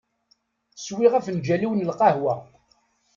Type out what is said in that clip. Swiɣ afenǧal-iw n lqahwa.